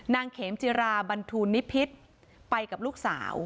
เขมจิราบันทูลนิพิษไปกับลูกสาว